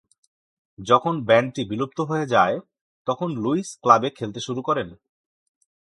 যখন ব্যান্ডটি বিলুপ্ত হয়ে যায়, তখন লুইস ক্লাবে খেলতে শুরু করেন।